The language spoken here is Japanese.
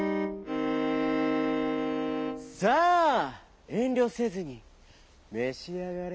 「さあえんりょせずにめしあがれ」。